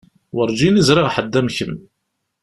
Werǧin i ẓriɣ ḥedd am kemm.